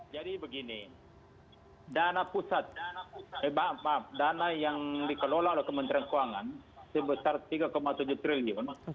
jadi begini dana yang dikelola oleh kementerian keuangan sebesar rp tiga tujuh triliun